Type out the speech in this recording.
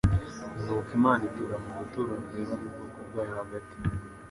Nuko Imana itura mu buturo bwera mu bwoko bwayo hagati.